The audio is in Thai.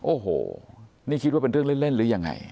โอ้โหนี่คิดว่าเป็นเรื่องเล่นหรือยังไง